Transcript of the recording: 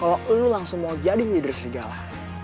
kalau lo langsung mau jadi leader serigala